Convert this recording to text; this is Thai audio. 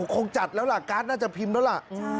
คงจัดแล้วล่ะการ์ดน่าจะพิมพ์แล้วล่ะ